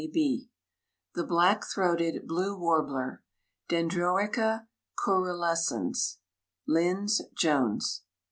] THE BLACK THROATED BLUE WARBLER. (Dendroica cærulescens.) LYNDS JONES.